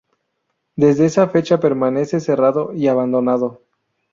Desde esa fecha permanece cerrado y abandonado.